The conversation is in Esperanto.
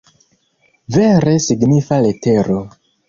Vere signifa letero!